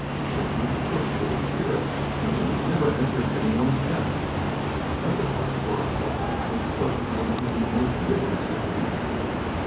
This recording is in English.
That Mr. Cooke would appear at the cotillon never entered any one's head. Thus it was, for a fortnight, Mr. Cooke maintained a most rigid seclusion.